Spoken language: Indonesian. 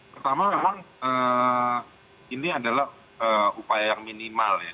pertama memang ini adalah upaya yang minimal ya